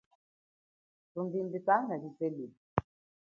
Thumbimbi kana zelula.